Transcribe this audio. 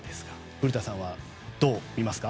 古田さんはどう見ますか？